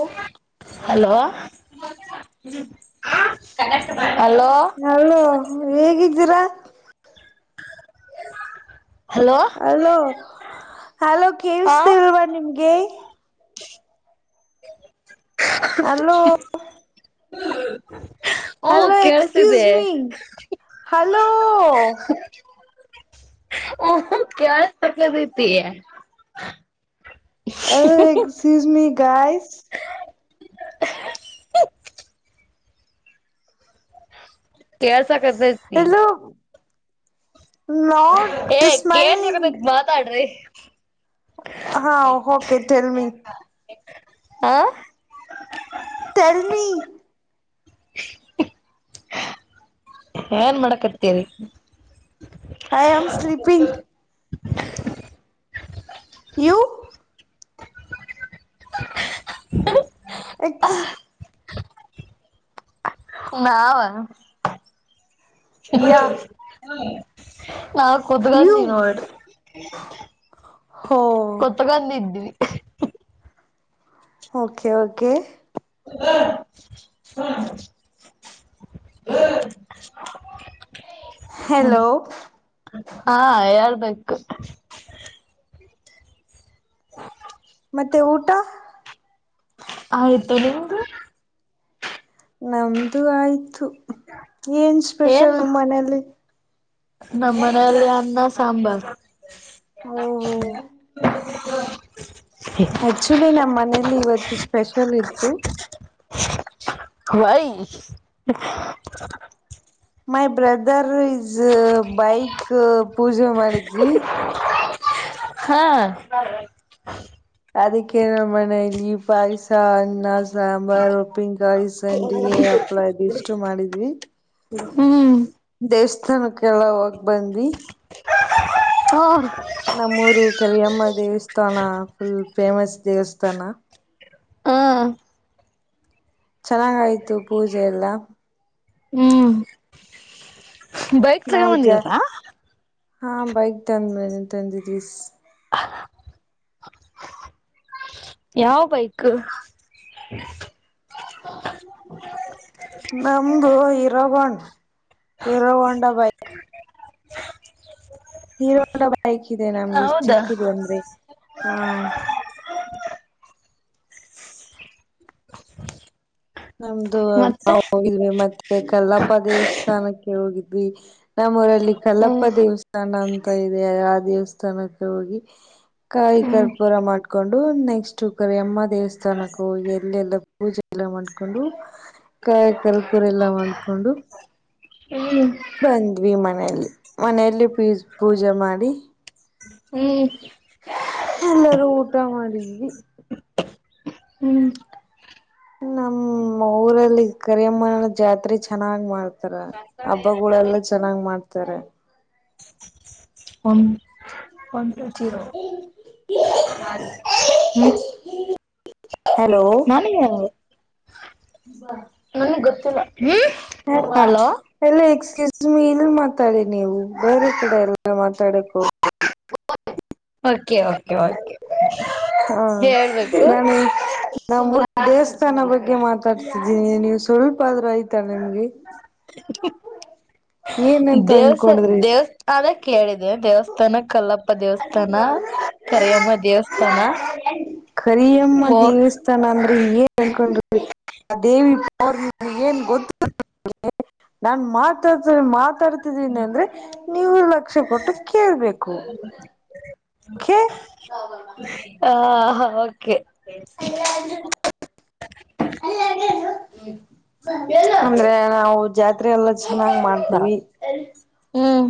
Okay hello hello hello ಹೇಗಿದ್ದೀರಾ hello hello hello ಹಾ ಕೇಳಸ್ತಿಲ್ವಾ ನಿಮ್ಗೆ ಹಲೋ [unintelligible] ಹೂ ಹಲೋ ಎಸ್ಕ್ಯೂಸ್ ಕೇಳ್ಸಿದೆ ಮೀ ಹಲೋ ಹೂ ಕೇಳುತ್ತದೆ ಹಲೋ ಎಕ್ಸ್ ಕ್ಯೂಸ್ ಮಿ ಗಾಯಸ್ ಕೇಳಸಕತೈತಿ ಹಲೋ ನಾಟ್ ಏ ಸ್ಮೈಲಿಂಗ್ ಕೇಳ್ಸಕತತ್ ಮಾತಾಡ್ರಿ ಹಾ ಓಕೆ ಟೆಲ್ಮಿ ಹಾ ಟೆಲ್ ಮೀ ಏನ್ ಮಾಡಕ್ತೀರಿ. I am sleeping. ಯುವ್ ಎಕ್ಷ [inaudible] ನಾವ ಯಾ ನಾವ ಯು ಕುದಗಂದ ನೋಡ್ರಿ. ಹೋ ಕತ್ಗೊಂಡ ಇದ್ದೀವಿ ಓಕೆ ಓಕೆ. [unintelligible] [inaudible] ಹ್ಮ ಹಲೋ ಹಾ ಹೇಳ್ಬೇಕ. [inaudible] ಮತ್ತೆ ಊಟ. ಆಯ್ತ ನಿಮ್ದು ನಮ್ದು ಆಯ್ತು ಏನ್ ಸ್ಪೆಷಲ್ ನಿಮ್ಮ ಮನೇಲಿ. ನಮ್ಮನೆಲ್ಲಿ ಅನ್ನ ಸಾಂಬಾರ್. ಓ ಹೋ [inaudible] ಹೆಚ್ಚುಲಿ ನಮ್ಮ ಮನೇಲಿ ಇವತ್ತು ಸ್ಪೆಷಲ್ ಇತ್ತು. Why my brother is bike ಪೂಜೆ ಮಾಡಿದ್ವಿ. ಹಾ ಅದಕ್ಕೆೇ ನಮ್ಮ ಮನೇಲಿ ಪಾಯಸ ಅನ್ನ ಸಾಂಬಾರ್ ಉಪ್ಪಿನಕಾಯಿ ಸಂಡಿಗೆ ಹಪ್ಳ ಇದ ಇಷ್ಟು ಮಾಡಿದ್ವಿ. ಹ್ಮ ದೇವಸ್ಥಾನಕ್ಕೆಲ್ಲ ಹೋಗ ಬಂದ್ವಿ. ಹ್ಮ ನಮ್ಮೂರು ಕರಿಯಮ್ಮ ದೇವಸ್ಥಾನ ಫುಲ್ ಫೇಮಸ್ ದೇವಸ್ಥಾನ. ಹಾ ಚೆನ್ನಾಗಯ್ತು ಪೂಜೆ ಎಲ್ಲ. ಹ್ಮ ನೌಜ ಹಾ ಬೈಕ್ ತಂದ ಮೇ ತಂದಿದ ಯಾವ ಬೈಕ್. [inaudible] ನಮ್ದು ಇರಗೊಂಡ್ ಇರಗೊಂಡ ಬಾಯ ಹೀರೋ ಹೋಂಡಾ ಬೈಕ್ ಇದೆ ನಮ್ದು ಹೌದಾ ಚಿಕ್ಕದು ಅಂದ್ರೆ ಹಾ ನಮ್ದು ಮತ್ತೆ ನಾವು ಹೋಗಿದ್ವಿ ಮತ್ತೆ ಕಲ್ಲಪ್ಪ ದೇವಸ್ಥಾನಕ್ಕೆ ಹೋಗಿದ್ವಿ. ನಮ್ಮೂರಲ್ಲಿ ಕಲ್ಲಪ್ಪ ಹ್ಮ ದೇವಸ್ಥಾನ ಅಂತ ಇದೆ ಆ ದೇವಸ್ಥಾನಕ್ಕ ಹೋಗಿ ಕಾಯಿ ಹ್ಮ್ ಕರ್ಪೂರ ಮಾಡಕೊಂಡು ನೆಕ್ಸ್ಟ್ ಕರಿಯಮ್ಮ ದೇವಸ್ಥಾನಕ್ಕೂ ಹೋಗಿ ಅಲ್ಲೆಲ್ಲ ಪೂಜೆ ಎಲ್ಲಾ ಮಾಡ್ಕೊಂಡು ಕ ಕರ್ಪೂರ ಎಲ್ಲಾ ಮಾಡಕೊಂಡು ಹ್ಮ ಬಂದ್ವಿ ಮನೆಯಲ್ಲಿ ಮನೆಯಲ್ಲಿ ಪಿಜ್ ಪೂಜೆ ಮಾಡಿ ಹ್ಮ್ ಎಲ್ಲರು ಊಟ ಮಾಡಿದ್ವಿ. ಹ್ಮ ನಮ್ಮ ಊರಲ್ಲಿ ಕರಿಯಮ್ಮನ ಜಾತ್ರೆ ಚೆನ್ನಾಗ್ ಮಾಡ ತರ ಹಬ್ಬಗೋಳೆಲ್ಲ ಚೆನ್ನಾಗಿ ಮಾಡ್ತಾರೆ. ಒಂ ಒಂದು ಜೀರೋ [unintelligible] ಹ್ಮ [unintelligible] ಹಲೋ. ಹನಿಯವು [unintelligible] ಬಾ. ನನಗೆ ಗೊತ್ತಿಲ್ಲ ಹ್ಮ್. ಸೈಡ್ ಬಾ. ಹಲೋ ಹಲೋ ಎಕ್ಯಜ್ಮಿ ಇಲ್ಲಿ ಮಾತಾಡಿ ನೀವು ಬೇರೆ ಕಡೆಯಲ್ಲ ಮಾತಾಡಕ್ಕೆ ಹೋಗ್ಬೇಡಿ. [inaudible] ಓಕೆ, ಓಕೆ, ಓಕೆ, ಹಾ ಹೇಳ್ಬೇಕು. ನಾನು ನಮ್ಮ ದೇವಸ್ಥಾನ ಬಗ್ಗೆ ಮಾತಾಡ್ತಿದ್ದೀನಿ ನೀವು ಸ್ವಲ್ಪ ಆದ್ರೂ ಐತ ನಿಮ್ಗೆ. ಏನಂತ ದೇವಸ ಅನ್ಕೊಂಡ್ರಿ ದೇವಸ್ [unintelligible] ಅದಕ್ಕೆ ಕೇಳಿದೆ ದೇವಸ್ಥಾನಕ್ಕೆಲ್ಲಪ್ಪ. ದೇವಸ್ಥಾನ ಕರಿಯಮ್ಮ ದೇವಸ್ಥಾನ ಹೋಗ ತನ ಅಂದ್ರ ಏನ್ ಅನ್ಕೊಂಡು ಆ ದೇವಿ ಪವರ್ ಏನ್ ಗೊತ್ತ [unintelligible] ನಾನ್ ಮಾತಾಡ್ತ ಮಾತಾಡ್ತಿದ್ದೀನಿ ಅಂದ್ರೆ ನೀವು ಲಕ್ಷ ಕೊಟ್ಟು ಕೇಳ್ಬೇಕು. ಓಕೆ ಆ, ಓಕೆ ಹಲೋ ಅಂದ್ರು [unintelligible] ಅಂದ್ರೆ ನಾವು ಜಾತ್ರೆ ಎಲ್ಲಾ ಚೆನ್ನಾಗಿ ಮಾಡ ಬರ ಹ್ಮ್.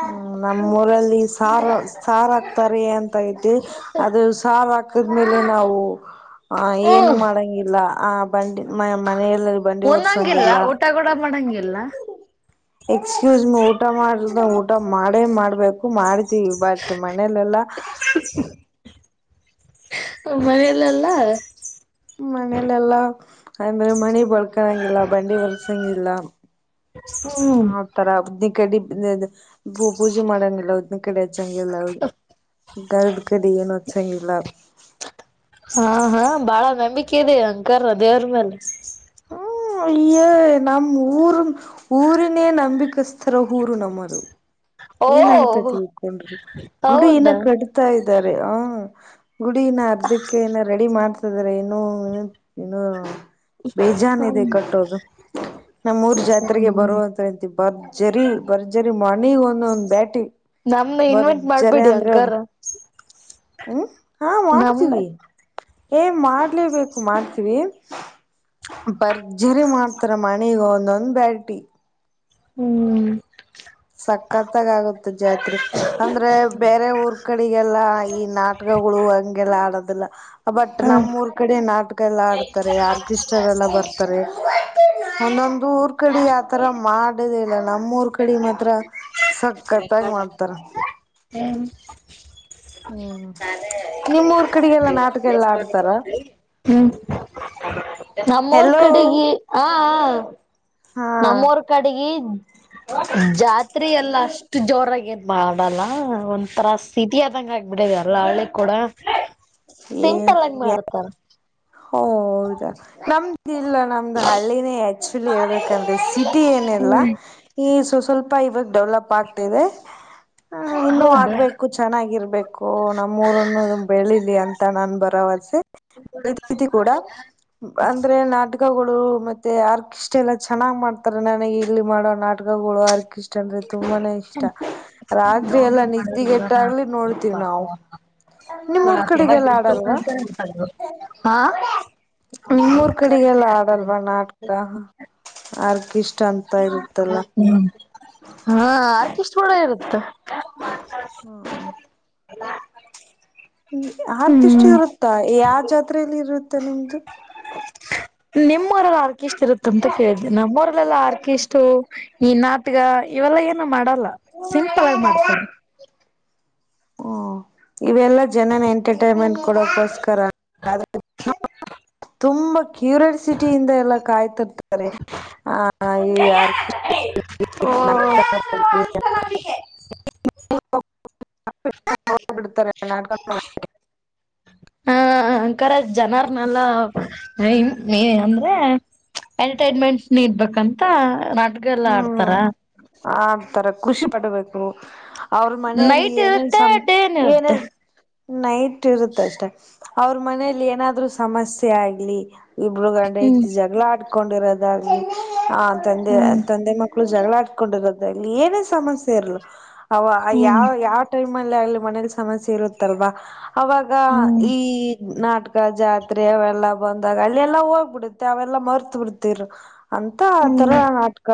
ಹ್ಮ ನಮ್ಮೂಊರಲ್ಲಿ ಸಾರ್ ಸಾರ್ಹಾಕ್ತಾರಿ ಆತರ ಅಂತ ಐತಿ ಅದು ಸಾರ್ಹಾಕ ಹಾಕಿದ ಮೇಲೆ ನಾವು ಏನು ಹ್ಮ್ ಮಾಡಂಗಿಲ್ಲ ಆ ಬಂಡಿ ಮ ಮನಲ್ಲ ಬಂಡಿ ಉನ್ನಂಗಿಲ್ಲ ಹೊರ್ಸಂಗಿಲ್ಲ. ಊಟ ಕೊಡ ಮಾಡಂಗಿಲ್ಲ. ಎಕ್ಸ್ಕ್ಯೂಸ್ ಮೀ ಊಟ ಮಾಡ ಊಟ ಮಾಡೇ ಮಾಡ್ಬೇಕು ಮಾಡ ತಿ ಬಟ್ ಮನೆಲೆಲ್ಲಾ ಹಾ ಮನೇಲೆಲ್ಲ ಮನೇಲೆಲ್ಲ ಅಂದ್ರೆ ಮನೆ ಬಳ್ಕನಂಗಿಲ್ಲ ಬಂಡಿ ವರರ್ಸಂಗಿಲ್ಲ. ಹು. ಆ ತರ ಊದಿನ ಕಡ್ಡಿ [unintelligible] ಭೂ ಪೂಜೆ ಮಾಡಂಗಿಲ್ಲ ಊದಿನ ಕಡ್ಡಿ ಹಚ್ಚಂಗಿಲ್ಲ ಗಂಧದ ಕಡ್ಡಿ ಏನು ಸ [unintelligible] ಇಲ್ಲ. ಹಾ ಹಾ ಬಾಳ ನಂಬಿಕೆ ಇದೆ ಅಂಗರ ದೇವ್ರ ಮೇಲೆ. ಈ ನಮ್ಮ ಊರ್ ಊರಿನೇ ನಂಬಿಕಸ್ತರ ಊರು ನಮ್ಮದು. ಓ ಏನಂತ ತಿಳ್ಕೊಂಡ್ರಿ ಗುಡಿ ಇನ್ನ ಹೌದಾ ಕಟ್ಟತ ಇದಾರೆ ಅ. ಗುಡಿನ ಅರ್ಧಕ್ಕೆ ನ ರೆಡಿ ಮಾಡತ್ತಿದ್ದಾರೆ ಇನ್ನು ಇನ್ನು. ಬೇಜಾನ್ ಇದೆ ಕಟ್ಟೋದು. ನಮ್ಮೂರ್ ಜಾತ್ರೆಗೆ ಹ್ಮ್ ಬರುವಂತ್ಯತಿ ಭರ್ಜರಿ ಭರ್ಜರಿ ಮನೆಗೆ ಒಂದು ಒಂದು ಬ್ಯಾಟಿ ಬರ್ಜರಿ ಅಂದ್ರೆ ಹ [inaudible] ಹ್ಮ ಹಾ ಮಾಡ್ತೀವಿ ಏ ಮಾಡ್ಲೇಬೇಕು ಮಾಡ್ತೀವಿ. ಭರ್ಜರಿ ಮಾಡ್ತಾರ ಮನೆಗೆ ಒಂದೊಂದ್ ಬ್ಯಾಟಿ. ಹ್ಮ್. ಸಕ್ಕತ್ತಾಗ ಆಗುತ್ತೆ ಜಾತ್ರೆ ಅಂದ್ರೆ ಬೇರೆ ಊರ್ ಕಡೆಗೆಲ್ಲ ಈ ನಾ ಗಳು ಹಂಗೆಲ್ಲ ಆಡೋದಿಲ್ಲ. ಬಟ್ ಹ ನಮ್ಮ್ ಊರ್ ಕಡೆ ನಾಟಕ ಎಲ್ಲಾ ಆಡ್ತಾರೆ ಆರ್ಕೆಸ್ಟ್ರ ಎಲ್ಲ ಬರ್ತಾರೆ. ಒಂದೊಂದು ಊರ್ ಕಡೆ ಆತರ ಮಾಡೋದ್ ಇಲ್ಲ ನಮ್ಮ್ ಊರ್ ಕಡೆ ಮತ್ತೆ ಹತ್ರ ಸಕ್ಕತ್ತಾಗಿ ಮಾಡ್ತಾರ ಹ್ಮ ಹ್ಮ್ ನಿಮ್ಮೂರ್ ಕಡೆಗೆಲ್ಲಾ ನಾಟಕ ಎಲ್ಲಾ ಆಡ್ತಾರ ಹ್ಮ್ ನಮ್ಮ ಊರ್ ಹೆಲೋ ಕಡೆಗೆ ಹ ಹ ಹಾ ನಮ್ಮೂರ್ ಕಡೆಗೆ ಜಾತ್ರೆ ಎಲ್ಲಾ ಅಷ್ಟ ಜೋರಾಗಿ ಏನ್ ಮಾಡಲ್ಲ ಒಂಥರಾ ಸಿಟಿ ಆದಂಗ ಆಗ್ಬಿಟ್ಟಿದ ಅಲ್ಲ ಹಳ್ಳಿ ಕೂಡ ಸಿಂಪಲ್ ಆಗಿ ಏ ಮಾಡತಾರ ಹೌದಾ ನಮ್ದ ಇಲ್ಲ ನಾ ನಮ್ ಹಳ್ಳಿನೇ ಆಕ್ಚುಲಿ ಹೇಳ್ಬೇಕಂದ್ರೆ ಸಿಟಿ ಏನಿಲ್ಲಾ ಈ ಸ್ವ ಸ್ವಲ್ಪ ಇವಾಗ ಡೆವಲಪ್ ಆಗ್ತದೆ ಇನ್ನೂ ಹೌದಾ ಆಗ್ಬೇಕು ಚೆನ್ನಾಗಿರ್ಬೇಕು ನಮ್ಮೂರನ್ನು ಬೆಳಿಲಿ ಅಂತ ನನ್ನ ಭರವಸೆ ತಿ ಕೂಡ ಅಂದ್ರೆ ನಾಟಕ್ ನಾಟಕಗಳು ಮತ್ತೆ ಆರ್ಕೆಸ್ಟ್ರಾ ಎಲ್ಲ ಚೆನ್ನಾಗಿ ಮಾಡ್ತಾರೆ ನನಗೆ ಇಲ್ಲಿ ಮಾಡೋ ನಾಟಕಗಳು ಆರ್ಕೆಸ್ಟ್ರಾ ಅಂದ್ರೆ ತುಂಬಾನೇ ಇಷ್ಟ ರಾತ್ರಿ ಎಲ್ಲಾ ನಿದ್ಧಿಗೆಟ್ಟಾಗಲಿ ನೋಡ್ತೀವಿ ನಾವು ನಿಮ್ಮೂರ್ ಕಡೆಗೆಲ್ಲ ಆಡಲ್ವಾ ಹಾ ಆರ್ಕೆಸ್ಟ್ರಾ ಹ್ಮ ಹಾ ಆರ್ಕೆಸ್ಟ್ರಾ ಒಳ ಇರುತ್ತ ಹ್ಮ ಅ ಆರ್ಕೆಸ್ಟ್ರಾ ಇರುತ್ತ ಯಾವ ಜಾತ್ರಯಲ್ಲಿ ಇರುತ್ತೆ ನಿಮ್ದು ನಿಮ್ಮೂರಲ್ ಆರ್ಕೆಸ್ಟ್ರಾ ಇರುತ್ತ ಅಂತ ಕೇಳ್ದೆ ನಮ್ಮೂರಲೆಲ್ಲ ಆರ್ಕೆಸ್ಟ್ರಾ ಈ ನಾಟಕ ಇವೆಲ್ಲ ಏನು ಮಾಡಲ್ಲ ಸಿಂಪಲ್ ಆಗಿ ಮಾಡ್ತಾರೆ ಹ್ಮ ಇವೆಲ್ಲಾ ಜನನಾ ಎಂಟರ್ಟೈನ್ಮೆಂಟ್ ಕೊಡೋಕೋಸ್ಕರ ತುಂಬಾ ಕ್ಯೂರಿಯಾಸಿಟಿ ಇಂದ ಎಲ್ಲ ಕಾಯ್ತಿರ್ತಾರೆ [inaudible] ಬಿಡ್ತಾರೆ ನಾಟಕ ಹಾ ಕರೆಕ್ಟ್ ಜನಾರ್ ನೆಲ್ಲಾ ನೀ ಅಂದ್ರೆ ಎಂಟರ್ಟೈನ್ಮೆಂಟ್ ನೀಡ್ಬೇಕಂತ ನಾಟ ಹ್ಮ್ ಆ ತರ ಖುಷಿ ಪಡ್ಬೇಕು ಅವ್ರ ಮನೆಯಲ್ಲಿ ನೈಟ್ ಏನೇನ್ ಇರುತ್ತೆ ಸಮ ಡೇನ್ ಇರುತ್ತೆ ಏನೇನ್ ನೈಟ್ ಇರುತ್ತ ಅಷ್ಟೆ ಅವ್ರ ಮನೇಲಿ ಏನಾದ್ರು ಸಮಸ್ಯೆ ಆಗ್ಲಿ ಇಬ್ರು ಗಂಡ ಹ್ಮ್ ಜಗಳ ಆಡ್ ಕೊಂಡಿರೋದಾಗ್ಲಿ ಆ ಹ್ಮ್ ತಂದೆ ತಂದೆ ಮಕ್ಳು ಜಗಳಾಟ್ಕೊಂಡಿರೋದೇ ಇಲ್ಲಿ ಏನೇ ಸಮಸ್ಯೆ ಇರಲ್ ಅವ ಹ್ಮ್ ಯಾವ ಯಾವ ಟೈಮ್ ಅಲ್ಲಿ ಅಲ್ಲಿ ಮನೇಲಿ ಸಮಸ್ಯೆ ಇರುತ್ತಲ್ವಾ ಅವಾಗ ಈ ಹ್ಮ್ ನಾಟಕ ಜಾತ್ರೆ ಅವೆಲ್ಲಾ ಬಂದಾಗ ಅಲ್ಲಿೆಲ್ಲಾ ಹೋಗ್ಬಿಡುತ್ತೆ ಅವೆಲ್ಲಾ ಮರ್ತ್ ಬಿಡ್ತಿದರು ಅಂತ ಆ ತರ ಹ್ಮ್ ನಾಟಕ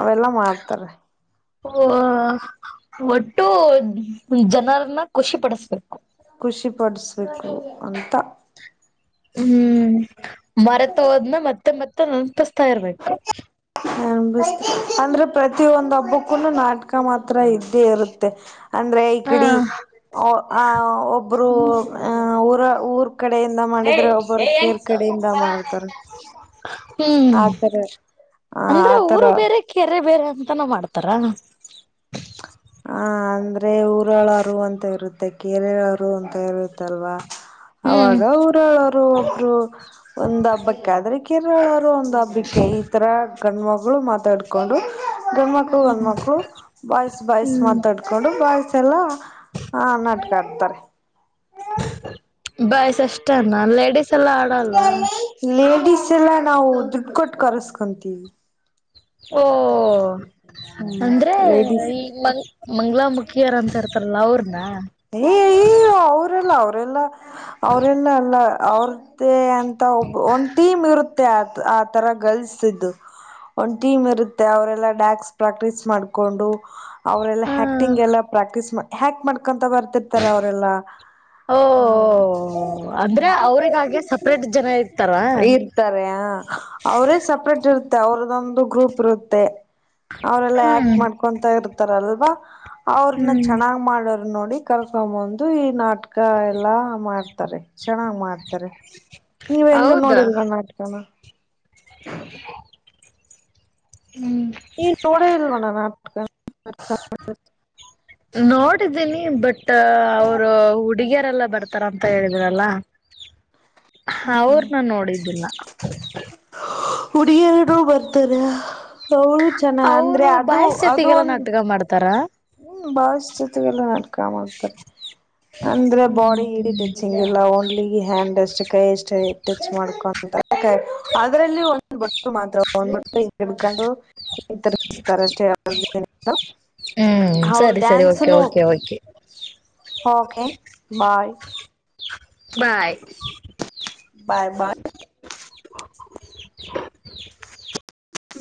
ಅವೆಲ್ಲಾ ಮಾಡ್ತಾರೆ. ಹ ಒಟ್ಟು ಜನರನ್ನ ಖುಷಿ ಪಡಿಸ್ಬೇಕು ಖುಷಿಪಡಿಸ್ಬೇಕು ಅಂತ ಹ್ಮ್ ಭಾರತ್ ಹೋದ್ನ ಮತ್ತೆ ಮತ್ತೆ ನೆನಪಿಸ್ತಾ ಇರ್ಬೇಕು ನ್ ಅಂದ್ರೆ ಪ್ರತಿ ಒಂದ್ ಹಬ್ಬಕ್ಕೂನು ನಾಟಕ ಮಾತ್ರ ಇರ್ ಇದ್ದೆ ಇರುತ್ತೆ ಅಂದ್ರೆ ಈ ಹಾ ಕಿಡಿ ಒ ಆ ಒಬ್ಬರು [unintelligible] ಊರ ಊರ್ ಕಡೆಯಿಂದ ಹ ಮಾಡಿದ್ರೆ ಹ ಒಬ್ಬರು ಕೇರ್ ಎಸ ಕಡೆಯಿಂದ ಬರ ಮಾಡ್ತಾರ [unintelligible] ಹ್ಮ್ ಆತರ ಆ ಅಂದ್ರೆ ಊರು ಆತರ ಬೇರೆ ಕೆರೆ ಬೇರೆ ಅಂತಾನೂ ಮಾಡ್ತಾರ ಆ ಅಂದ್ರೆ ಊರಳ ಹರು ಅಂತ ಇರುತ್ತೆ ಕೆೇರೆರು ಅಂತ ಇರುತ್ತಲ್ವಾ ಹ್ಮ್ ಅವಾಗ ಊರರು ಒಬ್ರು ಒಂದ್ ಹಬ್ಬಕ್ಕಾದ್ರ ಕೆರಳರು ನಂಬಿಕೆ ಇತರ [unintelligible] ಗಣ್ಮಗಳು ಮಾತಾಡ್ಕೊಂಡು ಗಂಡ್ಮಕ್ಳು ಗಂಡ್ಮಕ್ಲು ಬಾಯ್ಸ್ ಬಾಯ್ಸ್ ಕೊಂಡು ಬಾಯ್ಸ ಎಲ್ಲಾ ಆ ನಟಕಾಡ್ತಾರೆ ಬಾಯ್ಸ್ ಅಷ್ಟನಾ ಲೇಡಿಸ್ ಎಲ್ಲಾ ಆಡಲ್ವಾ ಲೇಡಿಸ್ ಎಲ್ಲಾ ನಾವು ದುಡ್ಡು ಕೊಟ್ಟು ಕರೆಸ್ಕೊಂತೀವಿ ಓ ಅಂದ್ರೆ ಲೇಡೀಸ್ ಈ ಮಂಗ್ ಮಂಗಲ ಮುಖ್ ಕಿಯರ್ ಅಂರ್ತಾರಲ್ಲ ಅವ್ರನ ಏ ಯ್ಯೋ ಅವರೆಲ್ಲ ಅವರೆಲ್ಲ ಅವರೆಲ್ಲ ಎಲ್ಲ ಅವ್ರ ಮತ್ತ ಅಂತ ಒಬ್ ಒಂದ್ ಟೀಮ್ ಇರುತ್ತೆ ಆ ಆ ತರ ಗಲ್ಸ್ದು ಟೀಮ್ ಇರುತ್ತೆ ಅವರೆಲ್ಲ ಡ್ಯಾನ್ಸ್ ಪ್ರಾಕ್ಟೀಸ್ ಮಾಡ್ಕೊಂಡು ಅವರೆಲ್ಲ ಹ್ಯಾಕ್ಟಿಂಗ್ ಎಲ್ಲಾ ಪ್ರಾಕ್ಟೀಸ್ ಮಾಡ್ ಹ್ಯಾಕ್ ಮಾಡ್ಕೊಂತ ಬರ್ತಿರ್ತಾರೆ ಅವರೆಲ್ಲ ಓ ಹೌ ಹ್ಮ್ ಅಂದ್ರೆ ಅವ್ರಿಗಾಗೆ ಸಪ್ರೇಟ್ ಜನ ಇರ್ತಾರ ಇ [unintelligible] ಇರ್ತಾರೆ ಹಾ ಅವ್ರೇ ಸಪ್ರೇಟ್ ಇರುತ್ತೆ ಅವ್ರದೊಂದು ಗ್ರೂಪ್ ಇರುತ್ತೆ ಅವರೆೆಲ್ಲ ಹ್ಮ್ ಯಾಕ್ಟ್ ಮಾಡ್ಕೊಂತ ಇರ್ತಾರಲ್ವಾ ಅವ್ರನ್ನ ಹ್ಮ್ ಚೆನ್ನಾಗ್ ಮಾಡೋದ್ ನೋಡಿ ಕರ್ಕೊ ಬಂದು ಈ ನಾಟಕ ಎಲ್ಲಾ ಮಾಡ್ತಾರೆ ಚೆನ್ನಾಗ್ ಮಾಡ್ತಾರೆ ನೀವ್ ಎಲ್ಲೂ ಹೌದಾ ನೋಡಿಲ್ವಾ ನಾಟಕನ [inaudible] ಹ್ಮ್ ನೀನ್ ನೋಡ ಇಲ್ವಣ [unintelligible] ನೋಡಿದ್ದೀನಿ ಬಟ್ ಅವರು ಊಟ್ ಡಿಗರೆಲ್ಲ ಬರ್ತಾರ ಅಂತ ಹೇಳಿದ್ರಲ್ಲ ಅವ್ರನ್ನ ನೋಡಿದ್ದಿಲ್ಲ ಹುಡುಗಿಯರು ಬರ್ತಾರೆ ಅವಳು ಚೆನ್ನ ಅಂದ್ರೆ ಅವರು ಅದು ಬಾಯ್ಸ್ ಅದು ಜೊತೆಗೆಲ್ಲ ಒಂದ್ ನಾಟಕ ಮಾಡ್ತಾರಾ ಹ್ಮ ಬಹ ಜೊತೆಗೆಲ್ಲ ನಟ್ಕಾ ಮಾಡ್ತಾತಾರೆ ಅಂದ್ರೆ ಬಾಡಿ ಗಿಡಿ ಟೆಚಿಂಗ್ ಲ್ಲ ಓನ್ಲಿ ಹ್ಯಾಂಡ್ ಅಷ್ಟು ಕೈ ಎಷ್ಟೇ ಟಚ್ ಮಾಡ್ಕೊ ಅದ್ರಲ್ಲಿ ್ ಬಿಟ್ಟರು ಮಾತ್ರಂದ್ಬಟ್ಟ [unintelligible] ಬಿಡ್ಕೊಂಡ್ರು [unintelligible] ತರಿಸ್ತಾರ ಅಷ್ಟೇ ಹ್ಮ್ ಅವರು ಸರಿ ಸರಿ ಓಕೆ ಡ್ಯಾನ್ಸ್ನು okay okay okay bye bye bye ಬಾಯ್ [inaudible]